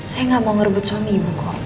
saya gak mau ngerebut suami ibu